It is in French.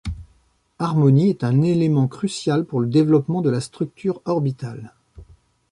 Harmony est un élément crucial pour le développement de la structure orbitale.